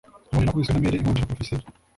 Inkoni nakubiswe na mère, inkonji na professeur